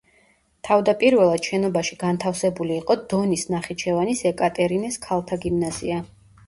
თავდაპირველად შენობაში განთავსებული იყო დონის ნახიჩევანის ეკატერინეს ქალთა გიმნაზია.